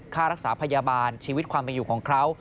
ค่ารักษาพยาบาลชีวิตความเป็นอยู่ของเขา